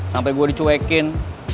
sampai gue dicuekin